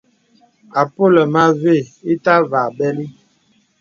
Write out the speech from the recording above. Àpōlə mə avə ìtâvà bɛli.